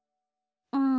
うん。